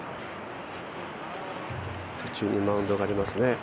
途中にマウンドがありますね。